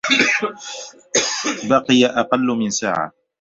بقى أقل من ساعة.